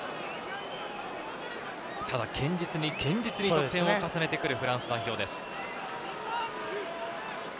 ただ堅実に堅実に点を重ねてくるフランス代表です。